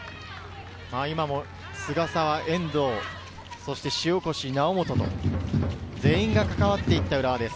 菅澤、遠藤、そして塩越、猶本、全員がかかわっていった浦和です。